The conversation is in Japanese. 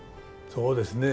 そうですね。